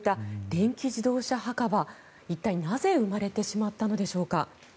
墓場一体なぜ生まれてしまったのでしょうか。